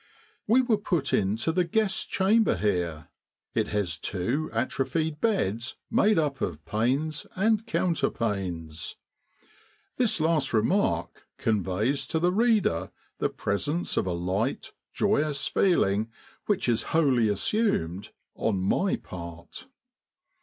We were put into the guest's chamber here. It has two atrophied beds made up of pains and counterpanes. This last remark conveys to the reader the presence of a light, joyous feeling which is wholly assumed on my part.